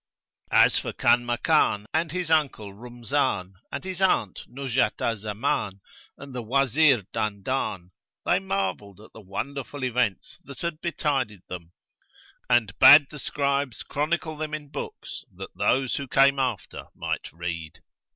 As for Kanmakan and his uncle Rumzan and his aunt Nuzhat al Zaman and the Wazir Dandan, they marvelled at the wonderful events that had betided them and bade the scribes chronicle them in books that those who came after might read.